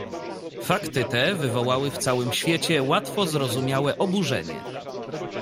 "Fakty te wywołały w całym świecie łatwo zrozumiałe oburzenie."